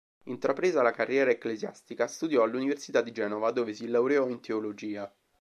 Intrapresa la carriera ecclesiastica, studiò all'Università di Genova dove si laureò in teologia.